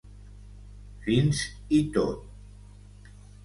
Fins i tot.